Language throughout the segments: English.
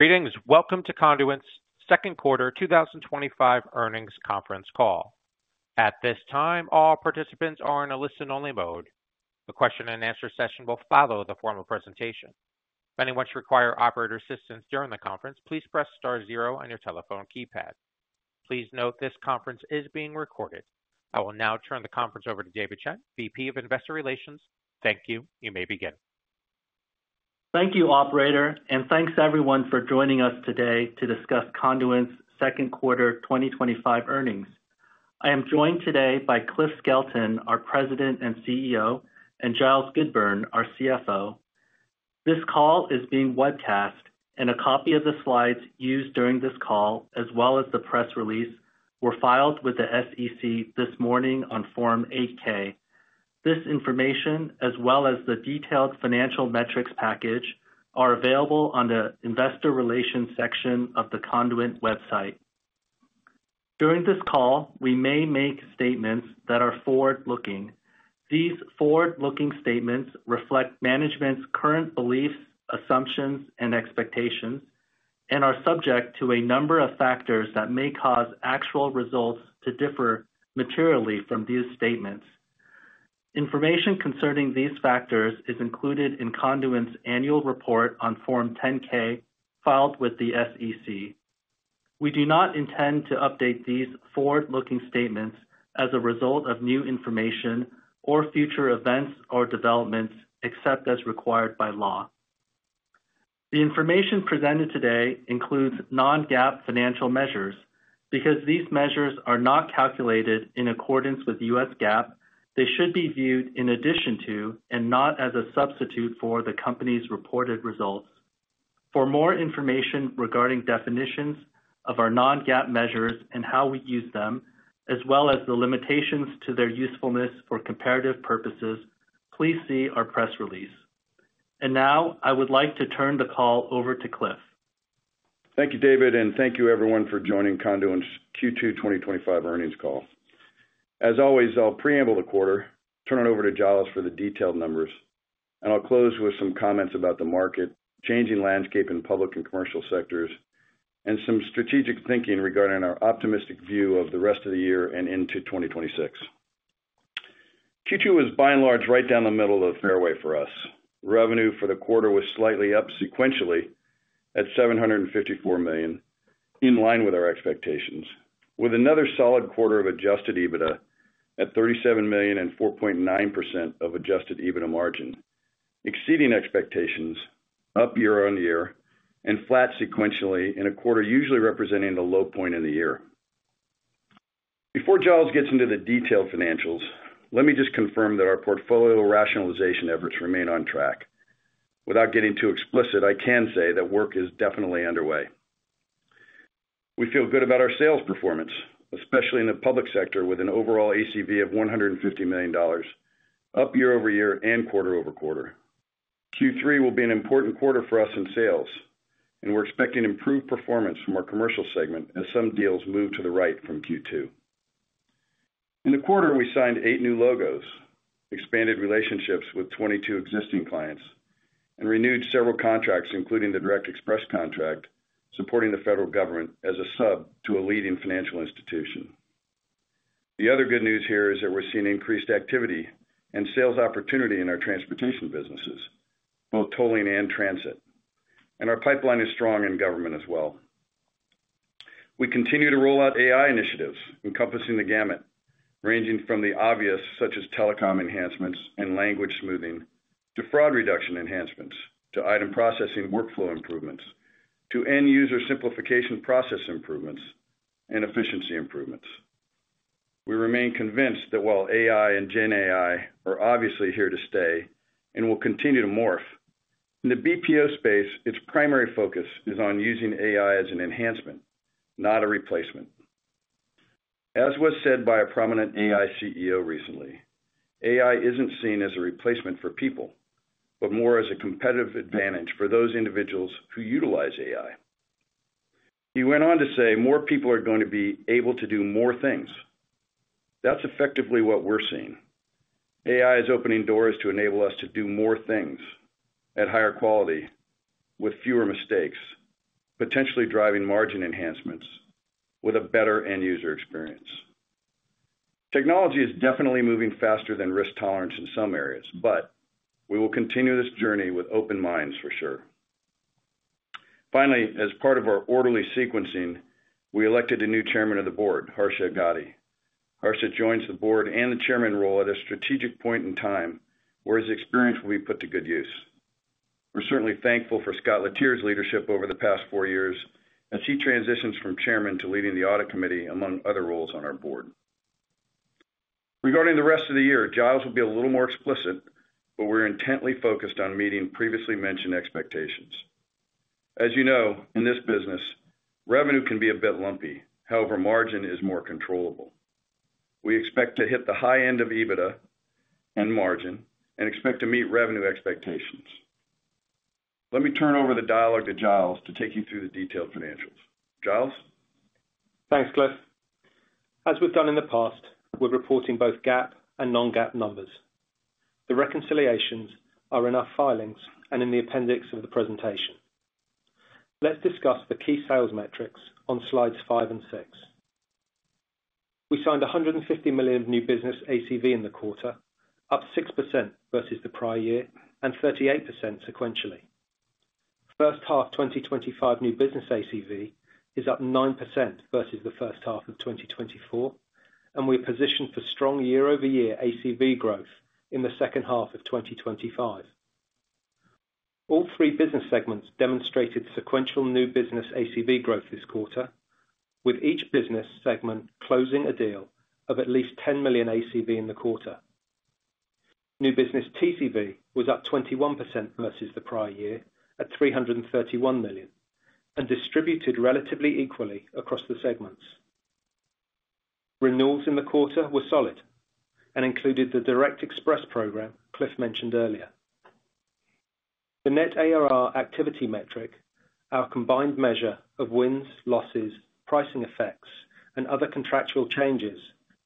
Greetings. Welcome to Conduent's second quarter 2025 earnings conference call. At this time, all participants are in a listen-only mode. The question and answer session will follow the formal presentation. If anyone should require operator assistance during the conference, please press star zero on your telephone keypad. Please note this conference is being recorded. I will now turn the conference over to David Chen, Vice President of Investor Relations. Thank you. You may begin. Thank you, operator, and thanks, everyone, for joining us today to discuss Conduent's second quarter 2025 earnings. I am joined today by Cliff Skelton, our President and CEO, and Giles Goodburn, our CFO. This call is being webcast, and a copy of the slides used during this call, as well as the press release, were filed with the SEC this morning on Form 8-K. This information, as well as the detailed financial metrics package, are available on the Investor Relations section of the Conduent website. During this call, we may make statements that are forward-looking. These forward-looking statements reflect management's current beliefs, assumptions, and expectations and are subject to a number of factors that may cause actual results to differ materially from these statements. Information concerning these factors is included in Conduent's annual report on Form 10-K filed with the SEC. We do not intend to update these forward-looking statements as a result of new information or future events or developments except as required by law. The information presented today includes non-GAAP financial measures. Because these measures are not calculated in accordance with U.S. GAAP, they should be viewed in addition to and not as a substitute for the company's reported results. For more information regarding definitions of our non-GAAP measures and how we use them, as well as the limitations to their usefulness for comparative purposes, please see our press release. I would like to turn the call over to Cliff. Thank you, David, and thank you, everyone, for joining Conduent's Q2 2025 earnings call. As always, I'll preamble the quarter, turn it over to Giles for the detailed numbers, and I'll close with some comments about the market-changing landscape in public and commercial sectors and some strategic thinking regarding our optimistic view of the rest of the year and into 2026. Q2 is by and large right down the middle of the fairway for us. Revenue for the quarter was slightly up sequentially at $754 million, in line with our expectations, with another solid quarter of adjusted EBITDA at $37 million and 4.9% adjusted EBITDA margin, exceeding expectations, up year on year and flat sequentially in a quarter usually representing the low point in the year. Before Giles gets into the detailed financials, let me just confirm that our portfolio rationalization efforts remain on track. Without getting too explicit, I can say that work is definitely underway. We feel good about our sales performance, especially in the public sector. With an overall ACV of $150 million, up year-over-year and quarter over quarter, Q3 will be an important quarter for us in sales, and we're expecting improved performance from our commercial segment as some deals move to the right. From Q2, in the quarter, we signed eight new logos, expanded relationships with 22 existing clients, and renewed several contracts, including the Direct Express contract supporting the federal government as a sub to a leading financial institution. The other good news here is that we're seeing increased activity and sales opportunity in our transportation businesses, both tolling and transit, and our pipeline is strong in government as well. We continue to roll out AI initiatives encompassing the gamut, ranging from the obvious such as telecom enhancements and language smoothing to fraud reduction enhancements, to item processing workflow improvements, to end user simplification process improvements and efficiency improvements. We remain convinced that while AI and GenAI are obviously here to stay and will continue to morph. In the BPO space, its primary focus is on using AI as an enhancement, not a replacement. As was said by a prominent AI CEO recently, AI isn't seen as a replacement for people, but more as a competitive advantage for those individuals who utilize AI. He went on to say, more people are going to be able to do more things. That's effectively what we're seeing. AI is opening doors to enable us to do more things at higher quality with fewer mistakes, potentially driving margin enhancements with a better end-user experience. Technology is definitely moving faster than risk tolerance in some areas, but we will continue this journey with open minds for sure. Finally, as part of our orderly sequencing, we elected a new Chairman of the Board, Harsha Agadi. Harsha joins the Board and the Chairman role at a strategic point in time where his experience will be put to good use. We're certainly thankful for Scott Letier's leadership over the past four years as he transitions from Chairman to leading the Audit Committee, among other roles on our Board. Regarding the rest of the year, Giles will be a little more explicit, but we're intently focused on meeting previously mentioned expectations. As you know, in this business, revenue can be a bit lumpy. However, margin is more controllable. We expect to hit the high end of EBITDA and margin and expect to meet revenue expectations. Let me turn over the dialogue to Giles to take you through the detailed financials. Giles, thanks Cliff. As we've done in the past, we're reporting both GAAP and non-GAAP numbers. The reconciliations are in our filings and in the appendix of the presentation. Let's discuss the key sales metrics on Slides 5 and 6. We signed $150 million of new business ACV in the quarter, up 6% versus the prior year and 38% sequentially. First half 2025 new business ACV is up 9% versus the first half of 2024 and we're positioned for strong year-over-year ACV growth in the second half of 2025. All three business segments demonstrated sequential new business ACV growth this quarter, with each business segment closing a deal of at least $10 million ACV in the quarter. New business TCV was up 21% versus the prior year at $331 million and distributed relatively equally across the segments. Renewals in the quarter were solid and included the Direct Express program Cliff mentioned earlier. The net ARR activity metric, our combined measure of wins, losses, pricing effects and other contractual changes,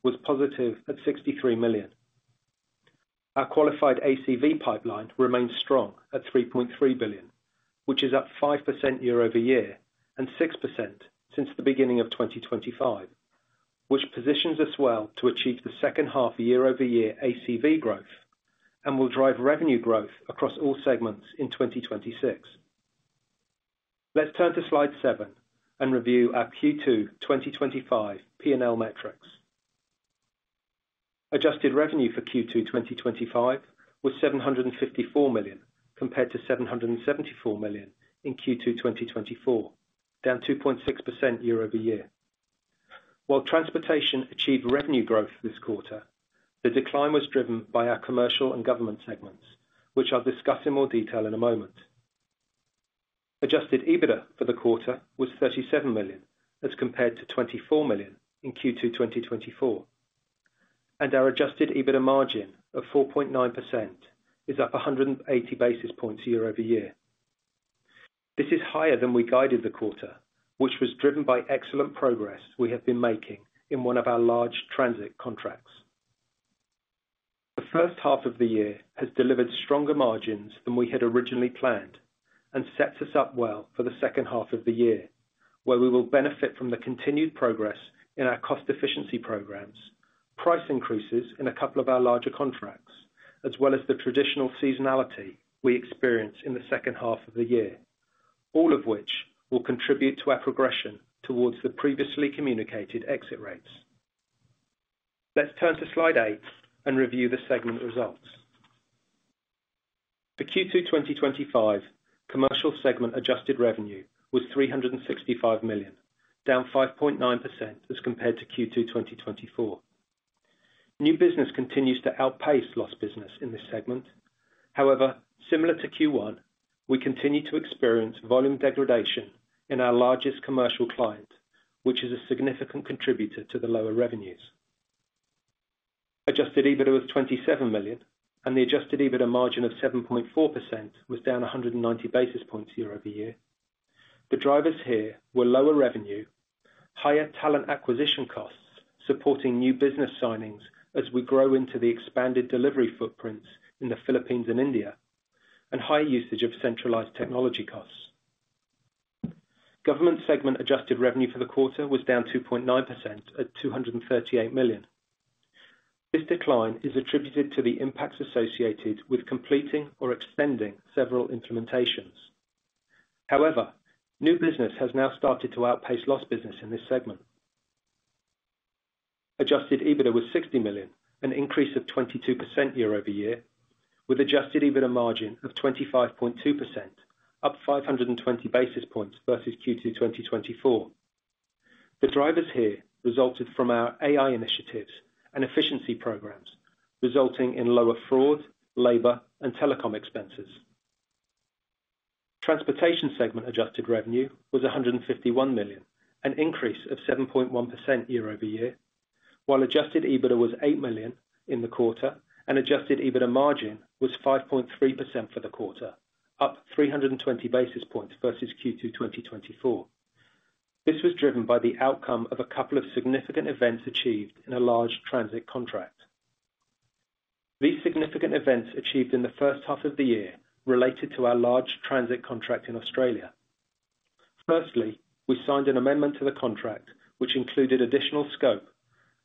was positive at $63 million. Our qualified ACV pipeline remains strong at $3.3 billion, which is up 5% year-over-year and 6% since the beginning of 2025, which positions us well to achieve the second half year-over-year ACV growth and will drive revenue growth across all segments in 2026. Let's turn to Slide 7 and review our Q2 2025 P&L metrics. Adjusted revenue for Q2 2025 was $754 million compared to $774 million in Q2 2024, down 2.6% year-over-year. While Transportation achieved revenue growth this quarter, the decline was driven by our Commercial and Government segments, which I'll discuss in more detail in a moment. Adjusted EBITDA for the quarter was $37 million as compared to $24 million in Q2 2024, and our adjusted EBITDA margin of 4.9% is up 180 basis points year-over-year. This is higher than we guided the quarter, which was driven by excellent progress we have been making in one of our large transit contracts. The first half of the year has delivered stronger margins than we had originally planned and sets us up well for the second half of the year, where we will benefit from the continued progress in our cost efficiency programs, price increases in a couple of our larger contracts, as well as the traditional seasonality we experience in the second half of the year, all of which will contribute to our progression towards the previously communicated exit rates. Let's turn to Slide 8 and review the segment results for Q2 2025. Commercial segment adjusted revenue was $365 million, down 5.9% as compared to Q2 2024. New business continues to outpace lost business in this segment. However, similar to Q1, we continue to experience volume degradation in our largest commercial client, which is a significant contributor to the lower revenues. Adjusted EBITDA was $27 million, and the adjusted EBITDA margin of 7.4% was down 190 basis points year-over-year. The drivers here were lower revenue, higher talent acquisition costs supporting new business signings as we grow into the expanded delivery footprints in the Philippines and India, and high usage of centralized technology costs. Government segment adjusted revenue for the quarter was down 2.9% at $238 million. This decline is attributed to the impacts associated with completing or extending several implementations. However, new business has now started to outpace lost business in this segment. Adjusted EBITDA was $60 million, an increase of 22% year-over-year, with adjusted EBITDA margin of 25.2%, up 520 basis points versus Q2 2024. The drivers here resulted from our AI initiatives and efficiency programs resulting in lower fraud, labor, and telecom expenses. Transportation segment adjusted revenue was $151 million, an increase of 7.1% year-over-year, while adjusted EBITDA was $8 million in the quarter, and adjusted EBITDA margin was 5.3% for the quarter, up 320 basis points versus Q2 2024. This was driven by the outcome of a couple of significant events achieved in a large transit contract. These significant events achieved in the first half of the year related to our large transit contract in Australia. Firstly, we signed an amendment to the contract which included additional scope,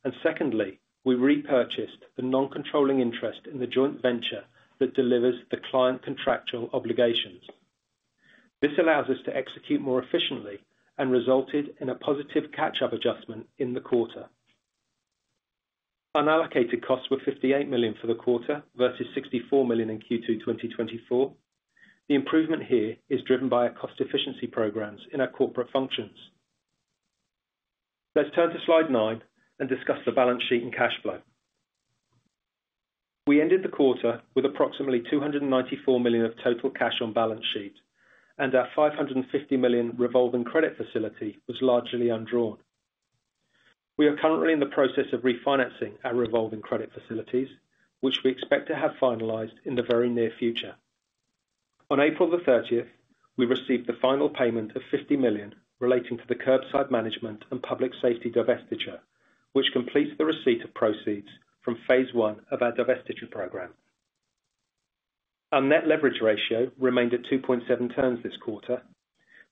and secondly, we repurchased the non-controlling interest in the joint venture that delivers the client contractual obligations. This allows us to execute more efficiently and resulted in a positive catch-up adjustment in the quarter. Unallocated costs were $58 million for the quarter versus $64 million in Q2 2024. The improvement here is driven by our cost efficiency programs in our corporate functions. Let's turn to Slide 9 and discuss the balance sheet and cash flow. We ended the quarter with approximately $294 million of total cash on balance sheet, and our $550 million revolving credit facility was largely undrawn. We are currently in the process of refinancing our revolving credit facilities, which we expect to have finalized in the very near future. On April 30th, we received the final payment of $50 million relating to the Curbside Management and Public Safety divestiture, which completes the receipt of proceeds from phase I of our divestiture program. Our net leverage ratio remained at 2.7x this quarter.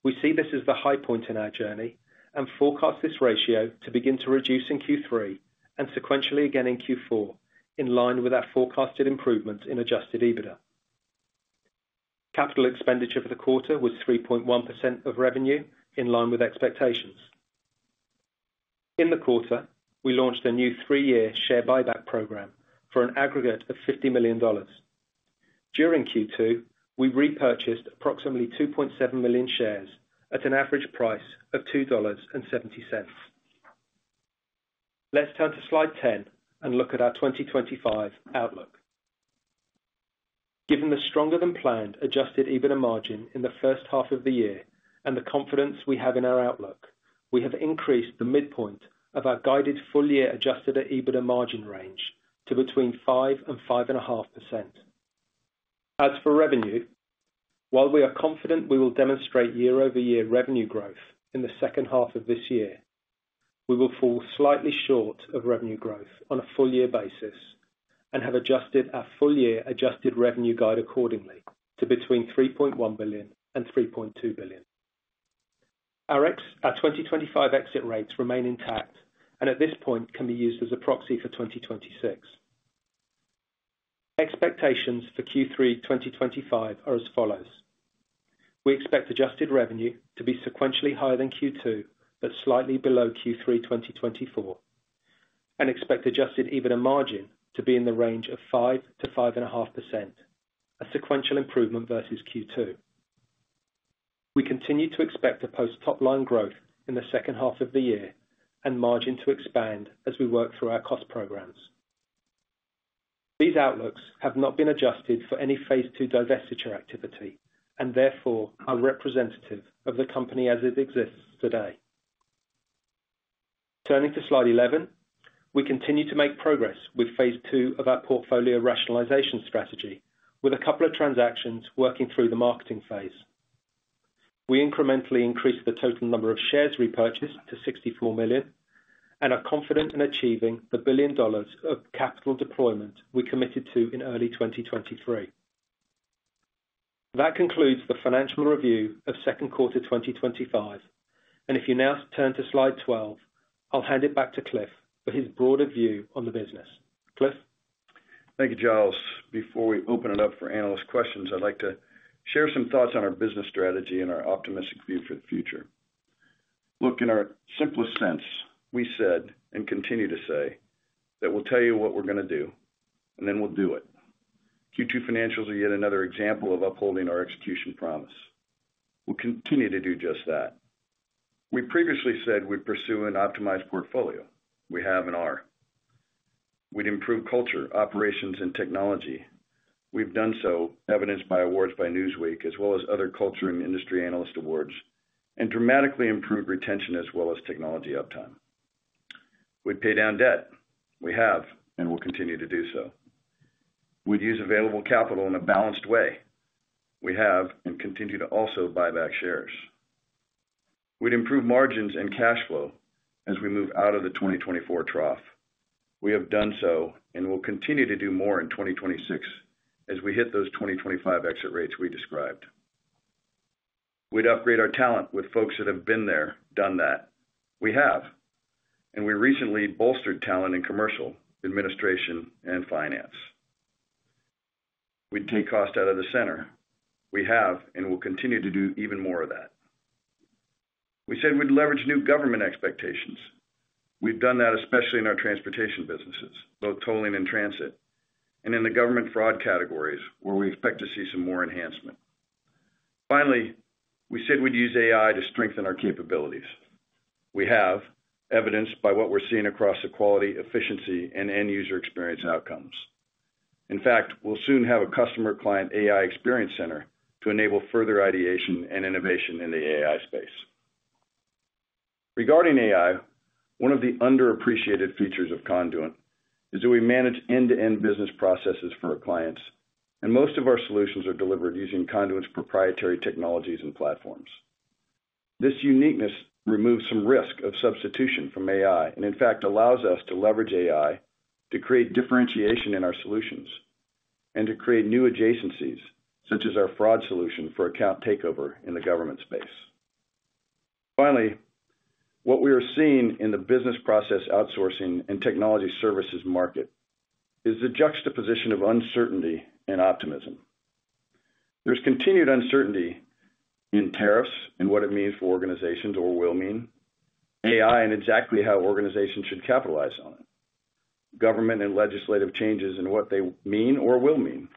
We see this as the high point in our journey and forecast this ratio to begin to reduce in Q3 and sequentially again in Q4. In line with our forecasted improvements in adjusted EBITDA, capital expenditure for the quarter was 3.1% of revenue. In line with expectations in the quarter, we launched a new three-year share buyback program for an aggregate of $50 million. During Q2, we repurchased approximately 2.7 million shares at an average price of $2.70. Let's turn to Slide 10 and look at our 2025 outlook. Given the stronger than planned adjusted EBITDA margin in the first half of the year and the confidence we have in our outlook, we have increased the midpoint of our guided full-year adjusted EBITDA margin range to between 5% and 5.5%. As for revenue, while we are confident we will demonstrate year-over-year revenue growth in the second half of this year, we will fall slightly short of revenue growth on a full-year basis and have adjusted our full-year adjusted revenue guide accordingly to between $3.1 billion and $3.2 billion. Our 2025 exit rates remain intact and at this point can be used as a proxy for 2026. Expectations for Q3 2025 are as follows. We expect adjusted revenue to be sequentially higher than Q2 but slightly below Q3 2024 and expect adjusted EBITDA margin to be in the range of 5%-5.5%, a sequential improvement versus Q2. We continue to expect to post top-line growth in the second half of the year and margin to expand as we work through our cost program. These outlooks have not been adjusted for any phase II divestiture activity and therefore are representative of the company as it exists today. Turning to Slide 11, we continue to make progress with phase II of our portfolio rationalization strategy with a couple of transactions. Working through the marketing phase, we incrementally increased the total number of shares repurchased to 64 million and are confident in achieving the $1 billion of capital deployment we committed to in early 2023. That concludes the financial review of second quarter 2025, and if you now turn to Slide 12, I'll hand it back to Cliff for his broader view on. Cliff, thank you, Giles. Before we open it up for analyst questions, I'd like to share some thoughts on our business strategy and our optimistic view for the future. Look, in our simplest sense, we said and continue to say that we'll tell you what we're going to do and then we'll do it. Q2 financials are yet another example of upholding our execution promise. We'll continue to do just that. We previously said we'd pursue an optimized portfolio. We have and are. We'd improve culture, operations, and technology. We've done so, evidenced by awards by Newsweek as well as other culture and industry analyst awards, and dramatically improved retention as well as technology uptime. We'd pay down debt. We have and will continue to do so. We'd use available capital in a balanced way. We have and continue to also buy back shares. We'd improve margins and cash flow as we move out of the 2024 trough. We have done so and will continue to do more. In 2026, as we hit those 2025 exit rates we described, we'd upgrade our talent with folks that have been there, done that. We have and we recently bolstered talent in commercial administration and finance. We'd take cost out of the center. We have and will continue to do even more of that. We said we'd leverage new government expectations. We've done that, especially in our transportation businesses, both tolling and transit, and in the government fraud categories where we expect to see some more enhancement. Finally, we said we'd use AI to strengthen our capabilities. We have, evidenced by what we're seeing across the quality, efficiency, and end user experience outcomes. In fact, we'll soon have a customer client AI Experience Center to enable further ideation and innovation in the AI space. Regarding AI, one of the underappreciated features of Conduent is that we manage end-to-end business processes for our clients and most of our solutions are delivered using Conduent's proprietary technologies and platforms. This uniqueness removes some risk of substitution from AI and in fact allows us to leverage AI to create differentiation in our solutions and to create new adjacencies such as our fraud solution for account takeover in the government space. Finally, what we are seeing in the business process outsourcing and technology services market is the juxtaposition of uncertainty and optimism. There's continued uncertainty in tariffs and what it means for organizations or will mean AI and exactly how organizations should capitalize on it, government and legislative changes and what they mean or will mean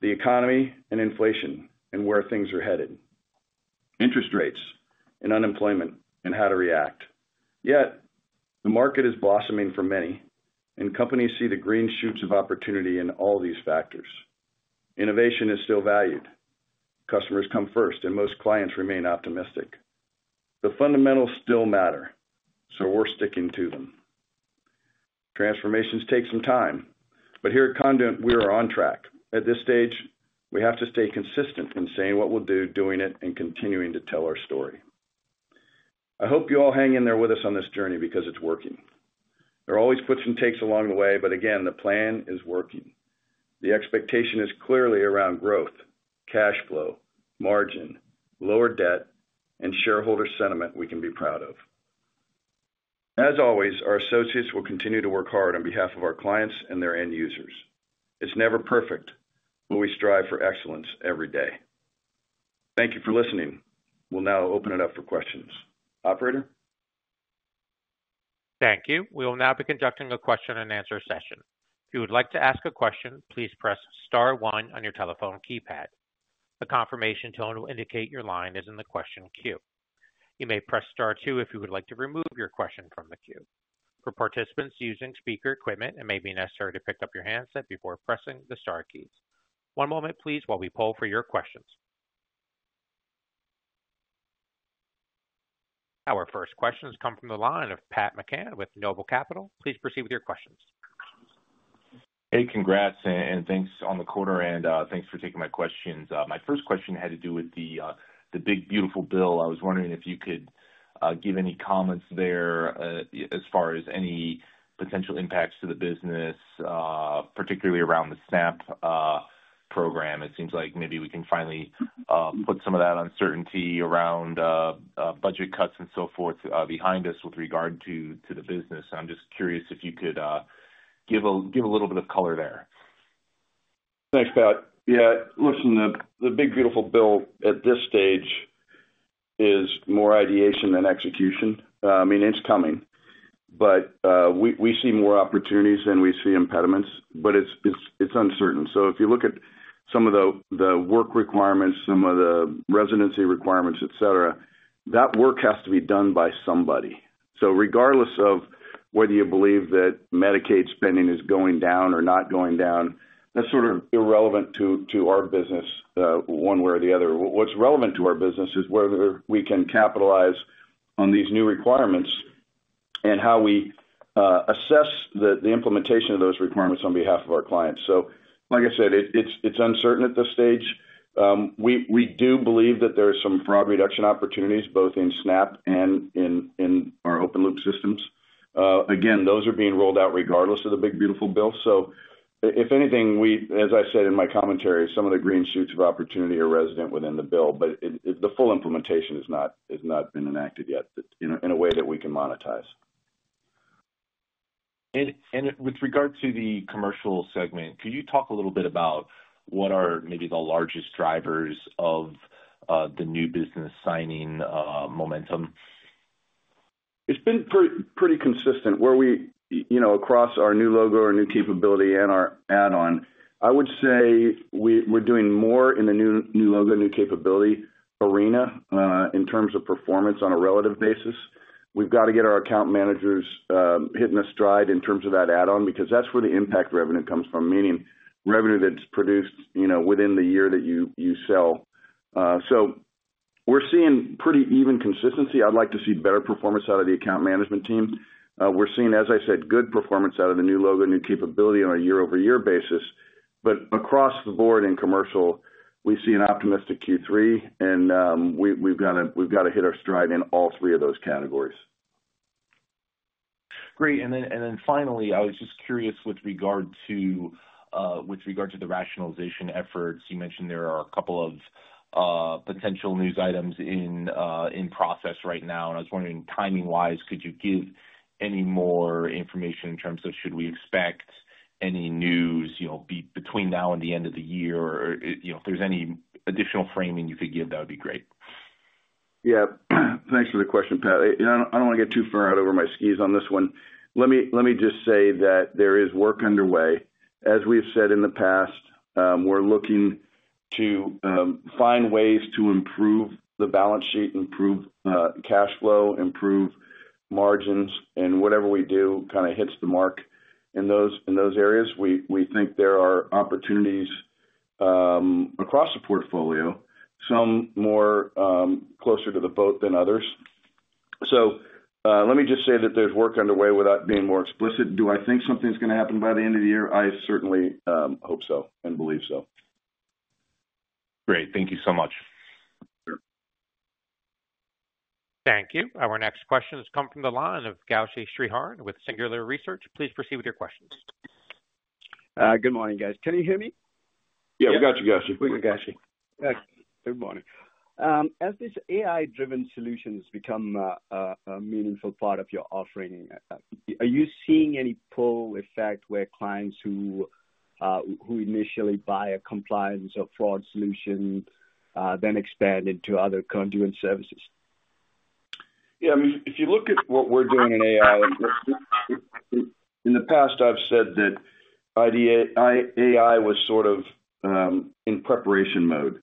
the economy and inflation and where things are headed, interest rates and unemployment and how to react. Yet the market is blossoming for many, and companies see the green shoots of opportunity in all these factors. Innovation is still valued, customers come first, and most clients remain optimistic. The fundamentals still matter, so we're sticking to them. Transformations take some time, but here at Conduent we are on track at this stage. We have to stay consistent in saying what we'll do, doing it, and continuing to tell our story. I hope you all hang in there with us on this journey because it's working. There are always puts and takes along the way, but again, the plan is working. The expectation is clearly around growth, cash flow margin, lower debt, and shareholder sentiment we can be proud of. As always, our associates will continue to work hard on behalf of our clients and their end users. It's never perfect when we strive for excellence every day. Thank you for listening. We'll now open it up for questions. Operator. Thank you. We will now be conducting a question and answer session. If you would like to ask a question, please press star one on your telephone keypad. A confirmation tone will indicate your line is in the question queue. You may press star two if you would like to remove your question from the queue. For participants using speaker equipment, it may be necessary to pick up your handset before pressing the star keys. One moment please, while we poll for your questions. Our first questions come from the line of Pat McCann with NOBLE Capital. Please proceed with your questions. Hey, congrats and thanks on the quarter and thanks for taking my questions. My first question had to do with the Big Beautiful Bill. I was wondering if you could give any comments there as far as any potential impacts to the business, particularly around the SNAP program. It seems like maybe we can finally put some of that uncertainty around budget cuts and so forth behind us with regard to the business. I'm just curious if you could give a little bit of color there. Thanks, Pat. Yeah, listen, the Big Beautiful Bill at this stage is more ideation than execution. I mean, it's coming, but we see more opportunities than we see impediments. It's uncertain. If you look at some of the work requirements, some of the residency requirements, etc., that work has to be done by somebody. Regardless of whether you believe that Medicaid spending is going down or not going down, that's sort of irrelevant to our business one way or the other. What's relevant to our business is whether we can capitalize on these new requirements and how we assess the implementation of those requirements on behalf of our clients. Like I said, it's uncertain at this stage. We do believe that there are some fraud reduction opportunities both in SNAP and in our open loop systems. Again, those are being rolled out regardless of the Big Beautiful Bill. If anything, as I said in my commentary, some of the green shoots of opportunity are resident within the bill, but the full implementation has not been enacted yet in a way that we can monetize. With regard to the commercial segment, can you talk a little bit about what are maybe the largest drivers of the new business signing momentum? It's been pretty consistent where we, you know, across our new logo, our new capability and our add on, I would say we're doing more in the new logo new capability arena in terms of performance on a relative basis. We've got to get our account managers hitting a stride in terms of that add on because that's where the impact revenue comes from, meaning revenue that's produced, you know, within the year that you sell. We're seeing pretty even consistency. I'd like to see better performance out of the account management team. We're seeing, as I said, good performance out of the new logo, new capability on a year-over-year basis. Across the board in commercial, we see an optimistic Q3 and we've got to hit our stride in all three of those categories. Great. I was just curious with regard to the rationalization efforts you mentioned. There are a couple of potential news items in process right now, and I was wondering, timing wise, could you give any more information in terms of should we expect any news between now and the end of the year? If there's any additional framing you could give, that would be great.. Yeah, thanks for the question, Pat. I don't want to get too far out over my skis on this one. Let me just say that there is work underway. As we've said in the past, we're looking to find ways to improve the balance sheet, improve cash flow, improve margins, and whatever we do kind of hits the mark in those areas. We think there are opportunities across the portfolio, some more closer to the boat than others. Let me just say that there's work underway. Without being more explicit, do I think something's going to happen by the end of the year? I certainly hope so. Believe so. Great. Thank you so much. Thank you. Our next question has come from the line of Gowshi Sriharan with Singular Research. Please proceed with your questions. Good morning, guys. Can you hear me? Yeah, we got you Gowshi. Good morning. As these AI driven solutions become a meaningful part of your offering, are you seeing any pull effect where clients who initially buy a compliance or fraud solution then expand into other Conduent services? Yeah, if you look at what we're doing in AI, in the past I've said that AI was sort of in preparation mode.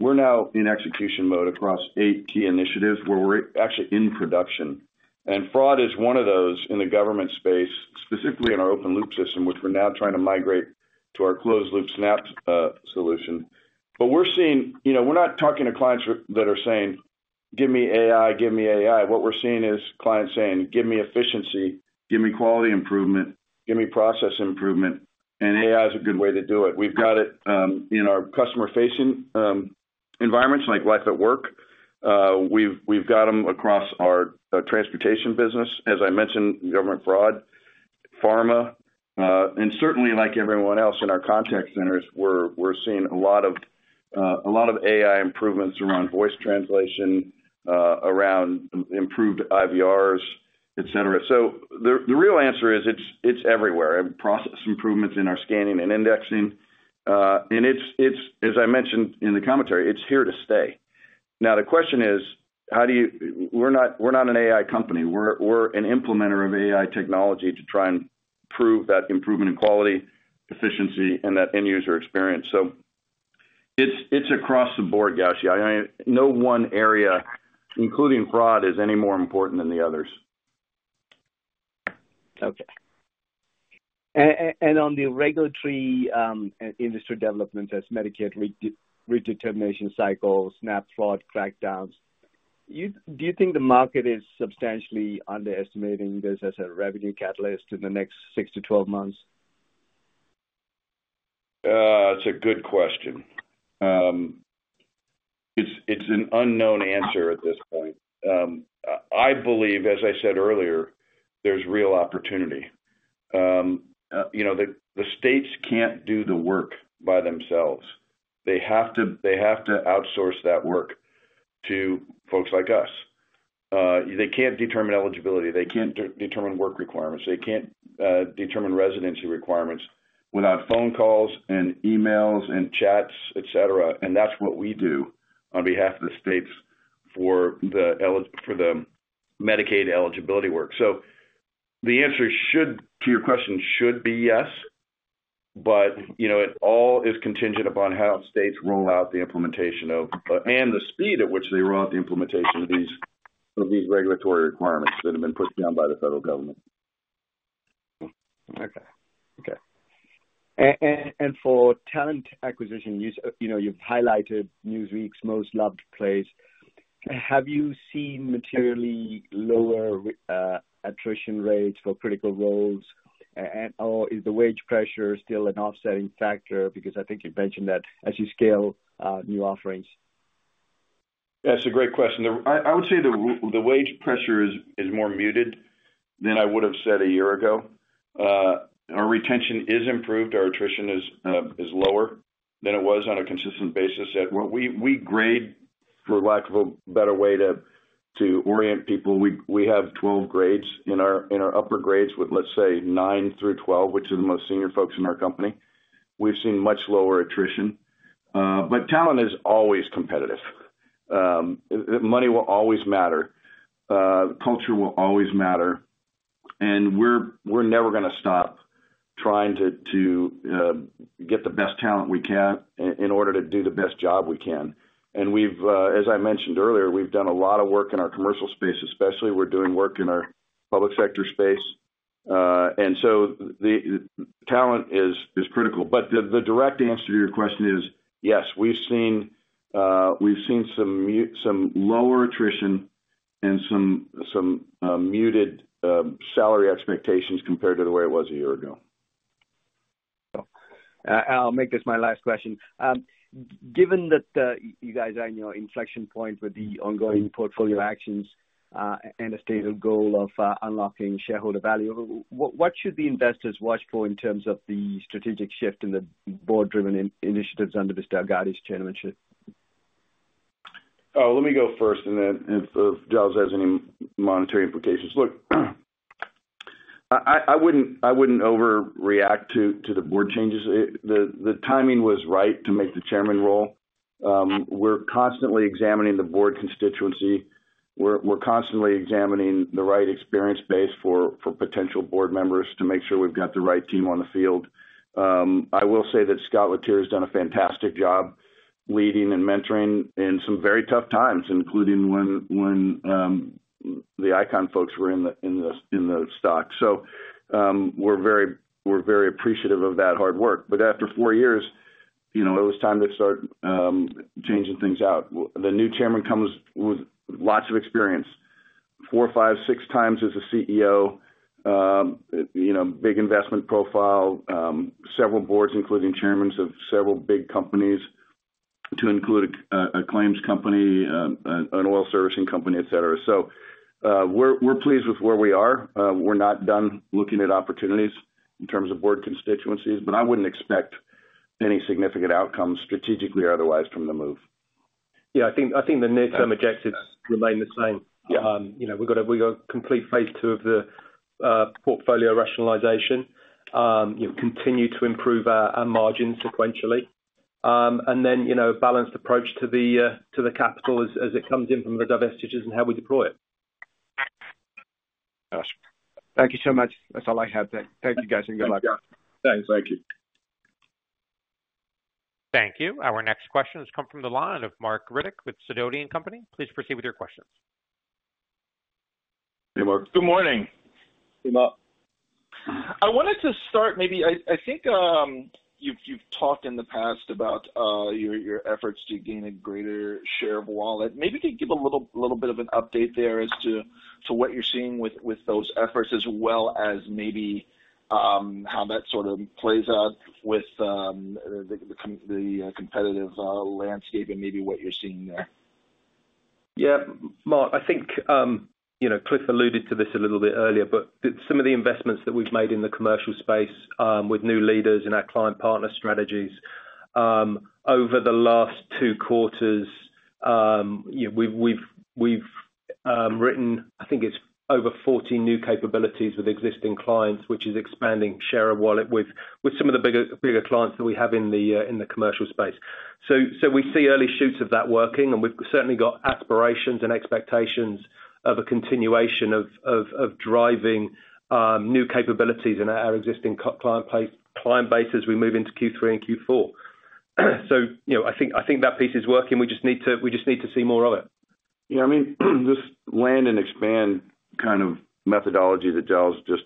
We're now in execution mode across eight key initiatives where we're actually in production, and fraud is one of those in the government space, specifically in our open-loop system, which we're now trying to migrate to our closed-loop SNAP solution. We're seeing, you know, we're not talking to clients that are saying give me AI, give me AI. What we're seeing is clients saying give me efficiency, give me quality improvement, give me process improvement. AI is a good way to do it. We've got it in our customer-facing environments like life at work. We've got them across our transportation business, as I mentioned, government fraud, pharma, and certainly like everyone else in our contact centers, we're seeing a lot of AI improvements around voice translation, around improved IVRs, et cetera. The real answer is it's everywhere. Process improvements in our scanning and indexing, and as I mentioned in the commentary, it's here to stay. Now the question is, how do you, we're not an AI company, we're an implementer of AI technology to try and prove that improvement in quality, efficiency, and that end user experience. It's across the board, Giles, no one area, including fraud, is any more important than the others. Okay. On the regulatory industry development as Medicaid redetermination cycles, SNAP fraud crackdowns, do you think the market is substantially underestimating this as a revenue catalyst next six to 12 months? That's a good question. It's an unknown answer at this point. I believe as I said earlier, there's real opportunity. The states can't do the work by themselves. They have to outsource that work to folks like us. They can't determine eligibility, they can't determine work requirements, they can't determine residency requirements without phone calls and emails and chats, etc., and that's what we do on behalf of the states for the Medicaid eligibility work. The answer to your question should be yes, but it all is contingent upon how states roll out the implementation of, and the speed at which they roll out the implementation of these regulatory requirements that have been put down by the federal government. For talent acquisition, you know, you've highlighted Newsweek's most loved place. Have you seen materially lower attrition rates for critical roles, or is the wage pressure still an offsetting factor? I think you mentioned that as you scale new offerings. That's a great question. I would say the wage pressure is more muted than I would have said a year ago. Our retention is improved. Our attrition is lower than it was on a consistent basis. We grade, for lack of a better way to orient people. We have 12 grades in our upper grades with, let's say, nine through 12, which are the most senior folks in our company. We've seen much lower attrition. Talent is always competitive. Money will always matter, culture will always matter, and we're never going to stop trying to get the best talent we can in order to do the best job we can. As I mentioned earlier, we've done a lot of work in our commercial space, especially we're doing work in our public sector space. The talent is critical. The direct answer to your question is yes, we've seen some lower attrition and some muted salary expectations compared to the way it was a year ago. I'll make this my last question. Given that you guys are in your inflection point with the ongoing portfolio actions and a stated goal of unlocking shareholder value, what should the investors watch for in terms of the strategic shift in the board driven initiatives under Mr. Agadi's chairmanship? Oh, let me go first. If Giles has any monetary implications. Look, I wouldn't overreact to the board changes. The timing was right to make the Chairman role. We're constantly examining the board constituency. We're constantly examining the right experience base for potential board members to make sure we've got the right team on the field. I will say that Scott Letier has done a fantastic job leading and mentoring in some very tough times, including when the Icahn folks were in the stock. We're very appreciative of that hard work. After four years, it was time to start changing things out. The new Chairman comes with lots of experience. Four, five, six times as a CEO, big investment profile, several boards, including Chairman of several big companies, to include a claims company, an oil servicing company, et cetera. We're pleased with where we are. We're not done looking at opportunities in terms of board constituencies. I wouldn't expect any significant outcomes strategically or otherwise from the move. Yeah, I think the near term objectives remain the same. We got complete phase two of the portfolio rationalization. You've continued to improve our margin sequentially, and then balanced approach to the capital as it comes in from the divestitures and how we deploy it. Thank you so much. That's all I have. Thank you guys, and good luck. Thank you. Thank you. Our next question has come from the line of Marc Riddick with Sidoti & Company. Please proceed with your question. Good morning, Marc. I wanted to start maybe, I think. You've talked in the past about your efforts to gain a greater share of wallet. Maybe you could give a little bit of an update there as to what you're seeing with those efforts first as as maybe how that sort of plays out with the competitive landscape and maybe what you're seeing there. Yeah, Marc, I think, you know, Cliff alluded to this a little bit earlier, but some of the investments that we've made in the commercial space with new leaders in our client partner strategies over the last two quarters, we've written, I think it's over 40 new capabilities with existing clients, which is expanding share of wallet with some of the bigger clients that we have in the commercial space. We see early shoots of that working, and we've certainly got aspirations and expectations of a continuation of driving new capabilities in our existing client base as we move into Q3 and Q4. I think that piece is working. We just need to see more of it. Yeah, I mean this land and expand kind of methodology that Giles just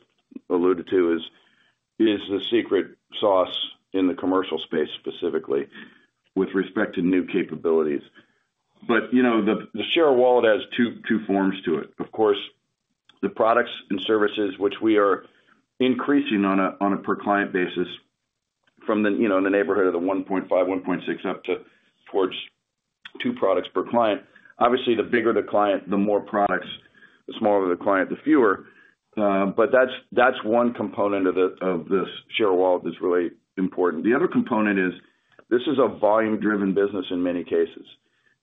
alluded to is the secret sauce in the commercial space, specifically with respect to new capabilities. The share of wallet has two forms to it, of course: the products and services, which we are increasing on a per client basis from, you know, in the neighborhood of the 1.5, 1.6 up to towards two products per client. Obviously, the bigger the client, the more products; the smaller the client, the fewer. That's one component of this share of wallet that's really important. The other component is this is a volume-driven business in many cases.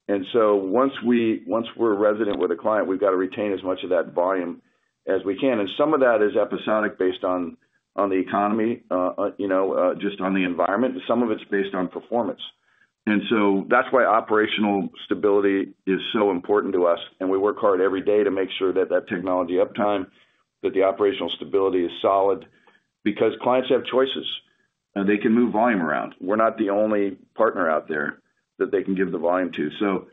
Once we're resident with a client, we've got to retain as much of that volume as we can. Some of that is episodic based on the economy, just on the environment. Some of it's based on performance. That's why operational stability is so important to us. We work hard every day to make sure that technology uptime, that the operational stability is solid because clients have choices and they can move volume around. We're not the only partner out there that they can give the volume to.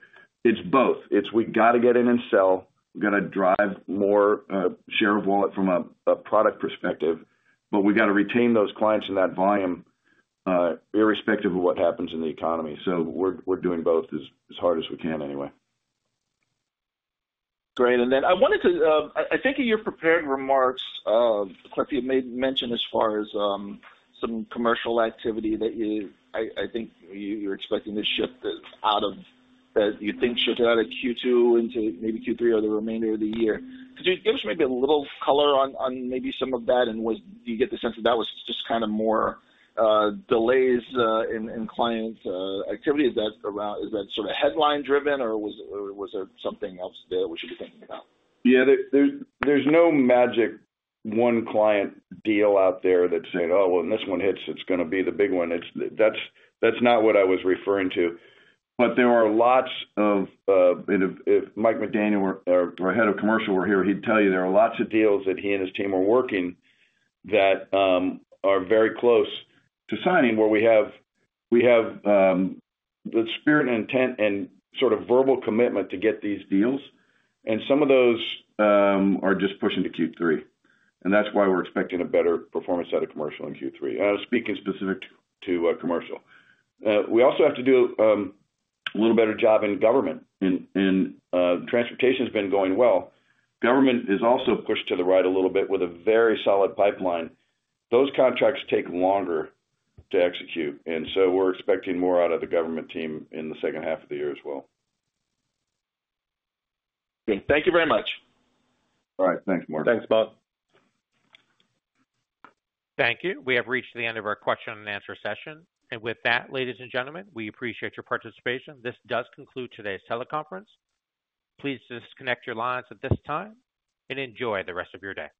It's both. We've got to get in and sell, got to drive more share of wallet from a product perspective, but we've got to retain those clients and that volume irrespective of what happens in the economy. We're doing both as hard as we can anyway. Great. I wanted to, I think in your prepared remarks, Cliff, you made mention as far as some commercial activity that you, I think you're expecting to shift out of that you think shifted out of Q2 into maybe Q3 the remainder of the year. Could you give us maybe a little color on maybe some of that? What you do, you get the sense that that was just kind of more delays in client activity. Is that sort of headline driven or was it, or was there something else that we should be thinking about? Yeah, there's no magic. One client deal out there that said, oh, well, this one hits, it's going to be the big one. That's not what I was referring to, but there are lots of Mike McDaniel, Head of Commercial, were here, he'd tell you there are lots of deals that he and his team are working that are very close to signing where we have the spirit, intent, and sort of verbal commitment to get these deals. Some of those are just pushing to Q3, and that's why we're expecting a better performance out of Commercial in Q3. I'm speaking specific to Commercial. We also have to do a little better job in Government, and Transportation has been going well. Government is also pushed to the right a little bit with a very solid pipeline. Those contracts take longer to execute, and we're expecting more out of the Government team in the second half of the year as well. Thank you very much. All right. Thanks, Marc. Thanks, Marc. Thank you. We have reached the end of our question and answer session. With that, ladies and gentlemen, we appreciate your participation. This does conclude today's teleconference. Please disconnect your lines at this time and enjoy the rest of your day.